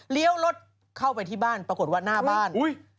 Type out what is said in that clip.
รถเข้าไปที่บ้านปรากฏว่าหน้าบ้าน